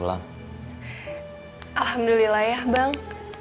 alhamdulillah ya bang